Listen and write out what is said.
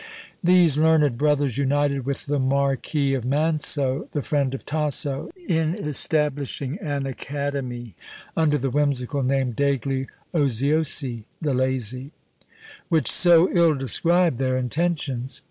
These learned brothers united with the Marquis of Manso, the friend of Tasso, in establishing an academy under the whimsical name degli Oziosi (the Lazy), which so ill described their intentions.